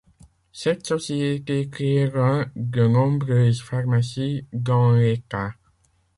Cette société créera de nombreuses pharmacies dans l'État.